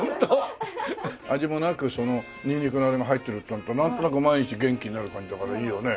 味もなくそのニンニクのあれも入ってるとなるとなんとなく毎日元気になる感じだからいいよね。